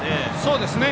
そうですね。